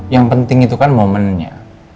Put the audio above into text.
yang penting itu kan momennya